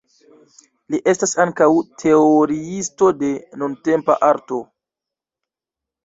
Li estas ankaŭ teoriisto de nuntempa arto.